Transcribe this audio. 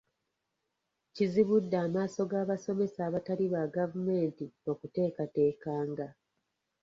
Kizibudde amaaso g'abasomesa abatali ba gavumenti okutekatekanga.